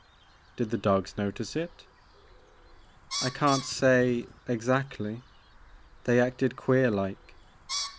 '* Did the dogs notice it ?"'* I can*t say — exactly. They acted queer like.